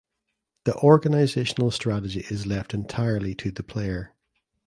The organizational strategy is left entirely to the player.